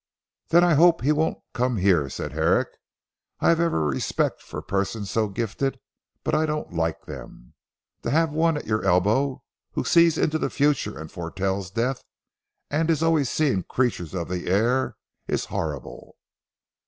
"Then I hope he won't come here," said Herrick, "I have every respect for persons so gifted, but I don't like them. To have one at your elbow, who sees into the future and foretells death, and is always seeing creatures of the air is horrible."